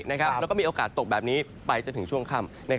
แล้วก็มีโอกาสตกแบบนี้ไปจนถึงช่วงค่ำ